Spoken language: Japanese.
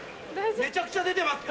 めちゃくちゃ出てます。